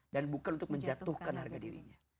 dan bukan untuk menjatuhkan harga dirinya